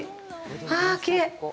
ああ、きれい。